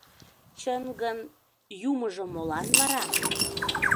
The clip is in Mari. — Чын гын... юмыжо молан вара?